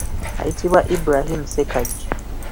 Ayitibwa Ibrahin Ssekaggya.